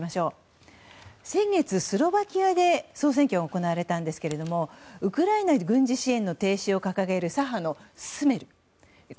先月、スロバキアで総選挙が行われたんですけどもウクライナ軍事支援の停止を掲げる左派のスメル。